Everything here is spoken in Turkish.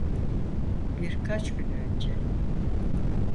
Bir kaç gün önce.